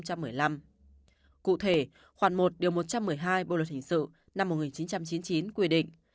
cụ thể khoản một một trăm một mươi hai bộ luật hình sự năm một nghìn chín trăm chín mươi chín quy định